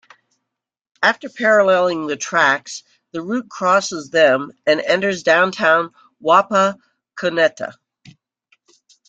After paralleling the tracks the route crosses them and enters downtown Wapakoneta.